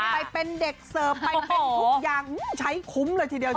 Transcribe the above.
ไปเป็นเด็กเสิร์ฟไปเป็นทุกอย่างใช้คุ้มเลยทีเดียว